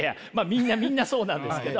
みんなみんなそうなんですけど。